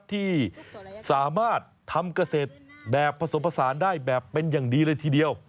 ที่สามารถทำเกษตรแบบผสมผสานได้แบบเป็นอย่างดีเลยทีเดียว